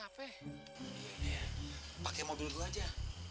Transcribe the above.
iya pak haji pake mobil gua aja